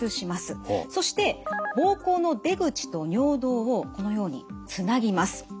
そして膀胱の出口と尿道をこのようにつなぎます。